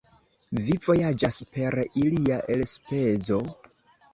Vi vojaĝas per ilia elspezo?